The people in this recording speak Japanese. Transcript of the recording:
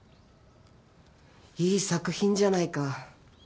いい作品じゃないか。